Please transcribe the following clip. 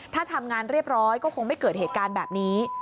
ถ้าทำงานเรียบร้อยก็คงไม่เกิดเหตุการณ์แบบนี้